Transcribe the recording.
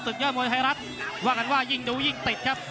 ยอดมวยไทยรัฐว่ากันว่ายิ่งดูยิ่งติดครับ